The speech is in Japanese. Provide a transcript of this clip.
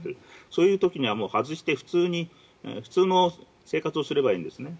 そういう時には外して普通の生活をすればいいんですね。